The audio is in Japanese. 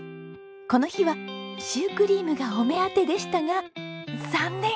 この日はシュークリームがお目当てでしたが残念！